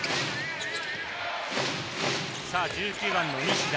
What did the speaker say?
１９番の西田。